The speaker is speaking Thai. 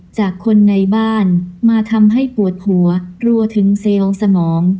จากคนในบ้านมาทำให้ปวดหัวรัวถึงเซลล์สมอง